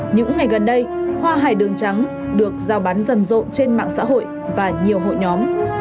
những ngày gần đây hoa hải đường trắng được giao bán rầm rộ trên mạng xã hội và nhiều hội nhóm